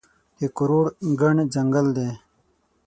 د کروړو ګڼ ځنګل دی